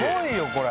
これ。